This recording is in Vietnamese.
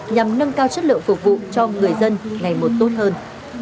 nhằm nâng cao chất lượng phục vụ cho người dân ngày một tốt hơn